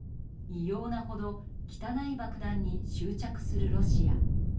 異様なほど汚い爆弾に執着するロシア。